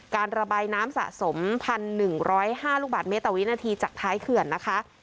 การระบายน้ำสะสมพันหนึ่งร้อยห้าลูกบาทเมตรอวินาทีจากท้ายเขื่อนนะคะ